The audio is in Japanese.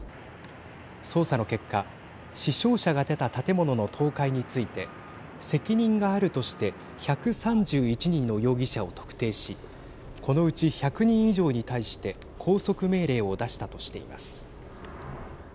捜査の結果、死傷者が出た建物の倒壊について責任があるとして１３１人の容疑者を特定しこのうち１００人以上に対して拘束命令を出したとしています。